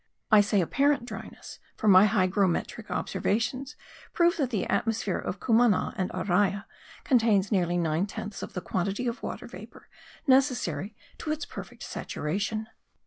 I say apparent dryness, for my hygrometric observations prove that the atmosphere of Cumana and Araya contains nearly nine tenths of the quantity of watery vapour necessary to its perfect saturation.